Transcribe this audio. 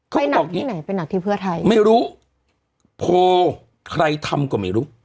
เขาไปหนักที่ไหนไปหนักที่เพื่อไทยไม่รู้โพลใครทำก็ไม่รู้